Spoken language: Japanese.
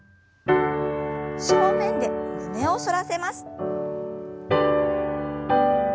正面で胸を反らせます。